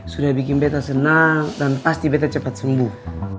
sudah bikin betta senang dan pasti betta cepat sembuh